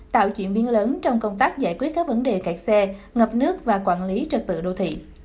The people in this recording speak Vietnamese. tạo chuyển biến lớn trong công tác giải quyết các vấn đề cạch xe ngập nước và quản lý trật tự đô thị